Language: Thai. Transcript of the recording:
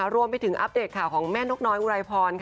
รวมไปถึงอัพเดทของแม่นกน้อยอุรายพร